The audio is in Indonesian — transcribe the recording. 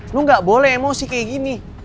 lu gak boleh emosi kayak gini